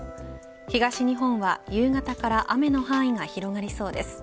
東日本は夕方から雨の範囲が広がりそうです。